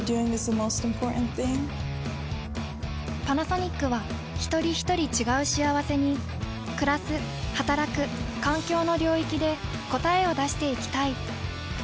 パナソニックはひとりひとり違う幸せにくらすはたらく環境の領域で答えを出していきたい。